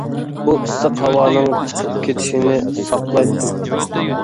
بۇ ئىسسىق ھاۋانىڭ چىقىپ كېتىشىنى ساقلايتتىم.